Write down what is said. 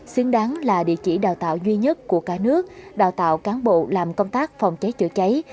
xứng đáng là địa chỉ đào tạo duy nhất của cả nước đào tạo cán bộ làm công tác phòng cháy chữa cháy